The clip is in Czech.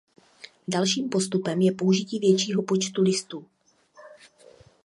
Dalším postupem je použití většího počtu listů.